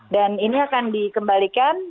dan ini akan dikembalikan